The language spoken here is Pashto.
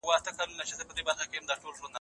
چي څه درلودل هغه یې په زور ورڅخه واخیستل.